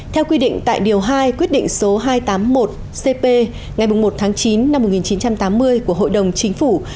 theo quy định tại điều hai quyết định số hai trăm tám mươi một cp ngày một tháng chín năm một nghìn chín trăm tám mươi của hội đồng chính phủ